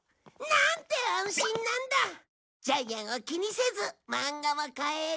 ジャイアンを気にせず漫画も買える！